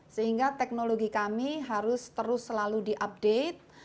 sehingga teknologi kami harus terus selalu diupdate